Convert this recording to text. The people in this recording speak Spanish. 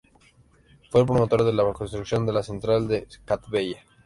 Fue el promotor de la construcción de la central de Cabdella.